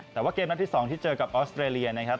แต่ว่าเกมนัดที่๒ที่เจอกับออสเตรเลียนะครับ